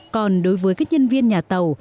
còn đối với các nhân viên nhà tàu